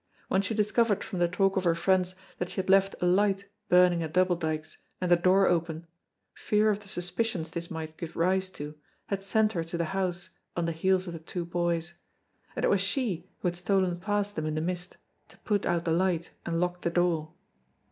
When she discovered from the talk of her friends that she had left a light burning at Double Dykes and the door open, fear of the suspicions this might give rise to had sent her to the house on the heels of the two boys, and it was she who had stolen past them in the mist to put out the light and lock the door.